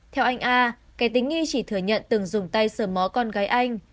theo anh a kẻ tính nghi chỉ thừa nhận từng dùng tay sờ mó con gái anh